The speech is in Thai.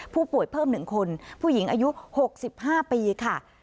ผู้ป่วยเพิ่ม๑คนผู้หญิงอายุ๖๕ปีค่ะ